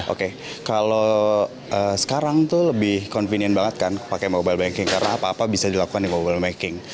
oke kalau sekarang tuh lebih convenient banget kan pakai mobile banking karena apa apa bisa dilakukan di mobile banking